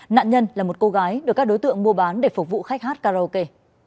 nạn nhân là một cô gái được các đối tượng mua bán để phục vụ khách hát karaoke